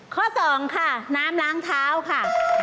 ข้อ๒ค่ะน้ำล้างเท้าค่ะ